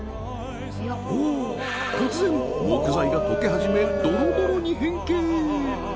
お突然木材が溶け始めドロドロに変形！